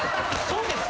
そうです？